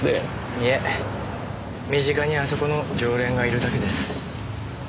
いえ身近にあそこの常連がいるだけです。